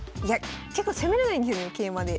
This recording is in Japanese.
結構攻めれないんですよね桂馬で。